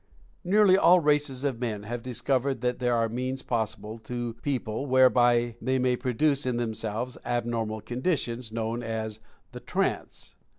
Nearly all races of men have discovered that there are means possible to people whereby they may pro duce in themselves abnormal conditions, known as the "trance."